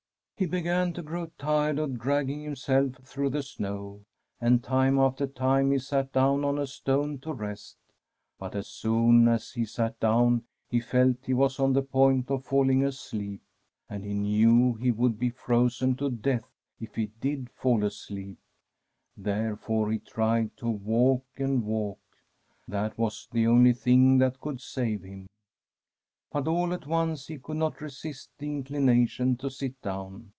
He began to gjow tired of dragging himself through the snow, and time after time he sat down on a stone to rest; but as soon as he sat down he felt he was on the point of falling asleep, and he knew he would be frozen to death if he did fall asleep, therefore he tried to walk and walk ; that The PEACE 9f GOD was the only thing that could save him. But all at once he could not resist the inclination to sit down.